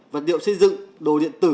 vật điệu xây dựng đồ điện tử